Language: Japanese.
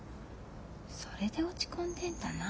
それで落ち込んでんだな。